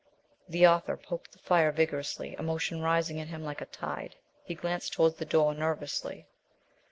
The author poked the fire vigorously, emotion rising in him like a tide. He glanced towards the door nervously.